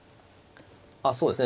あそうですね